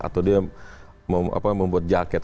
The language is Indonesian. atau dia membuat jaket